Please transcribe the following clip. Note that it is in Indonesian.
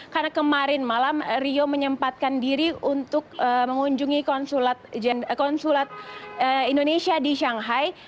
karena kemarin malam rio menyempatkan diri untuk mengunjungi konsulat indonesia di shanghai